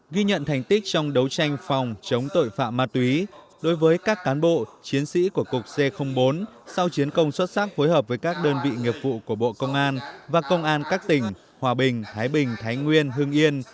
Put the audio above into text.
ghi nhận thành tích trong đấu tranh phòng chống tội phạm ma túy đối với các cán bộ chiến sĩ của cục c bốn sau chiến công xuất sắc phối hợp với các đơn vị nghiệp vụ của bộ công an và công an các tỉnh hòa bình thái bình thái nguyên hương yên